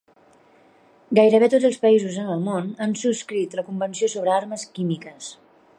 Gairebé tots els països en el món han subscrit la Convenció sobre Armes Químiques.